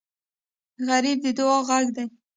غریب د دعا غږ دی